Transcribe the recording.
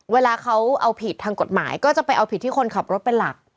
เวลาเขาเอาผิดทางกฎหมายก็จะไปเอาผิดที่คนขับรถเป็นหลัก